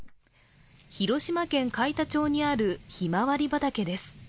広島県海田町にあるひまわり畑です。